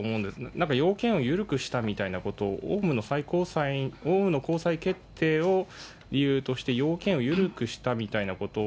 なんか要件を緩くしたみたいなことを、オウムの高裁決定を理由として、要件を緩くしたみたいなことを。